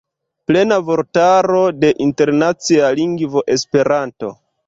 Plena vortaro de internacia lingvo Esperanto.